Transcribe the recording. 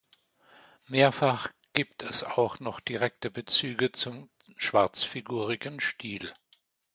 Mehrfach gibt es auch noch direkte Bezüge zum schwarzfigurigen Stil.